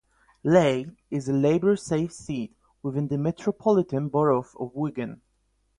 Leigh is a Labour safe seat within the Metropolitan Borough of Wigan.